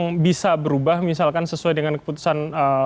yang bisa berubah misalkan sesuai dengan keputusan